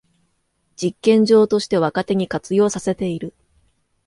実験場として若手に活用させている